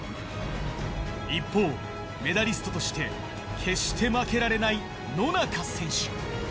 一方、メダリストとして、決して負けられない野中選手。